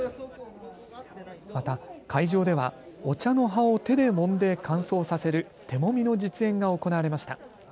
また会場ではお茶の葉を手でもんで乾燥させる手もみの実演が行われました。